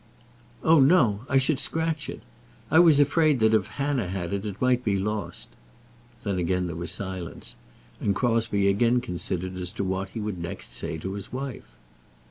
"Oh, no; I should scratch it. I was afraid that if Hannah had it, it might be lost." Then again there was silence, and Crosbie again considered as to what he would next say to his wife.